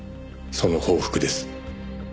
「その報復です」